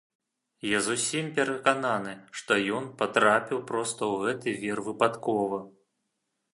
Я зусім перакананы, што ён патрапіў проста ў гэты вір выпадкова.